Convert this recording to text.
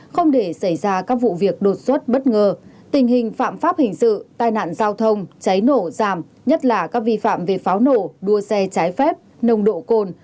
không để xảy ra các vụ việc đột xuất bất ngờ tình hình phạm pháp hình sự tai nạn giao thông cháy nổ giảm nhất là các vi phạm về pháo nổ đua xe trái phép nồng độ cồn